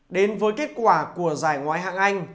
đến với kết quả của giải ngoại hạng anh